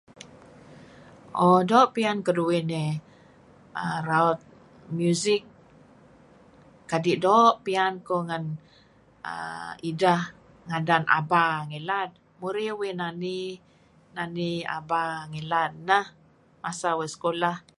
Oh doo' piyan keduih nih err raut music. Kadi' doo' piyan kuh ngen ideh ngadan ABBA ngilad, murih uih nani nani ABBA ngilad neh masa uih sekulah.